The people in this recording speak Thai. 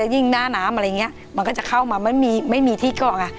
ยิ่งหน้าน้ำอะไรอย่างนี้มันก็จะเข้ามามันไม่มีที่เกาะไง